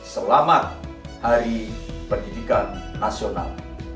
selamat hari pendidikan nasional